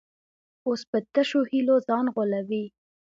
اوس په تشو هیلو ځان غولوي.